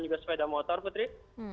juga sepeda motor putri